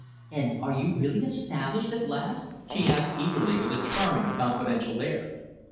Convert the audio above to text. "And are you really established, at last?" she asked eagerly; with a charming, confidential air.